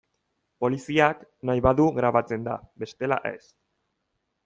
Poliziak nahi badu grabatzen da, bestela ez.